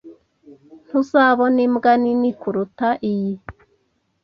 Ntuzabona imbwa nini kuruta iyi.